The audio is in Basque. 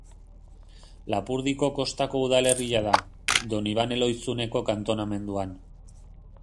Lapurdiko kostako udalerria da, Donibane Lohizuneko kantonamenduan.